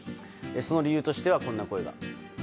その理由としては、こんな声が。